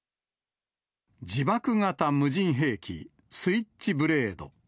自爆型無人兵器、スイッチブレード。